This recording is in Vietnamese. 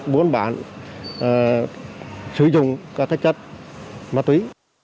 buôn bản sử dụng các thách chất ma túy